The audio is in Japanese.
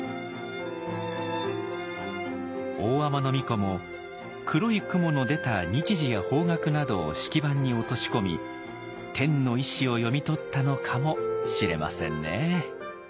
大海人皇子も黒い雲の出た日時や方角などを式盤に落とし込み天の意思を読み取ったのかもしれませんね。